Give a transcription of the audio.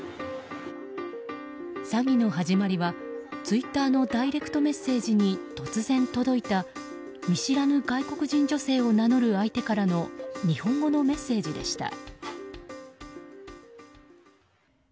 詐欺の始まりは、ツイッターのダイレクトメッセージに突然届いた、見知らぬ外国人女性を名乗る相手からの日本語のメッセージでした。